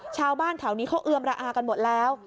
ชาวบ้านแถวนี้เขาเอือมระอากันหมดแล้ว